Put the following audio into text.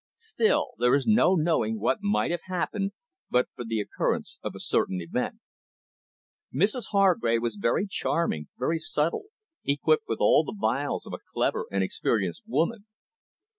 Still, there is no knowing what might have happened, but for the occurrence of a certain event. Mrs Hargrave was very charming, very subtle, equipped with all the wiles of a clever and experienced woman.